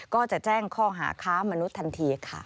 ก็จะแจ้งข้อหาค้ามนุษย์ทันทีค่ะ